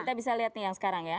kita bisa lihat nih yang sekarang ya